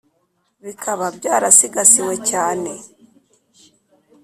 bikaba byarasigasiwe cyane